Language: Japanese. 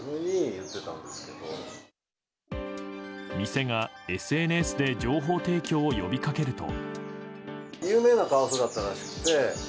店がＳＮＳで情報提供を呼びかけると。